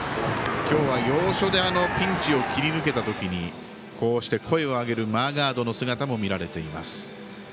今日は要所でピンチを切り抜けたときに声を上げるマーガードの姿も見られています。